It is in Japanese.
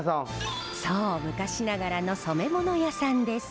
そう昔ながらの染め物屋さんです。